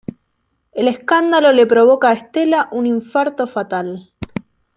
El escándalo le provoca a Estela un infarto fatal.